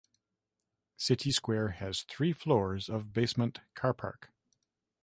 City Square has three floors of basement carpark.